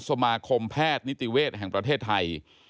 สมาคมแพทย์นิติเวศแห่งประเทศไทย